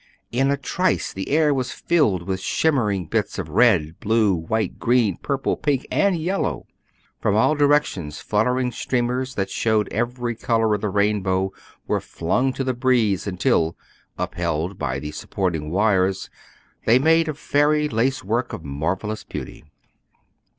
In a trice the air was filled with shimmering bits of red, blue, white, green, purple, pink, and yellow. From all directions fluttering streamers that showed every color of the rainbow, were flung to the breeze until, upheld by the supporting wires, they made a fairy lace work of marvelous beauty.